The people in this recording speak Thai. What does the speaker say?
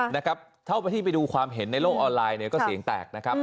นะครับเท่าที่ไปดูความเห็นในโลกออนไลน์เนี่ยก็เสียงแตกนะครับ